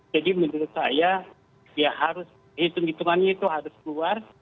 jadi menurut saya ya harus hitung hitungannya itu harus keluar